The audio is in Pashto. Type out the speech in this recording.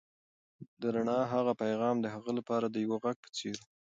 د رڼا هغه پیغام د هغه لپاره د یو غږ په څېر و.